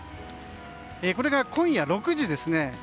これが今夜６時ですね。